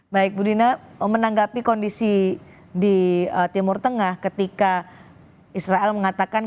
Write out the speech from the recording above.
baik bu dina menanggapi kondisi di timur tengah ketika israel mengatakan